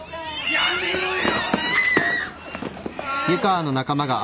やめろよ